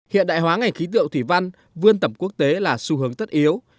hiện đại hóa ngành khí tượng thủy văn vươn tầm quốc tế là xu hướng tất yếu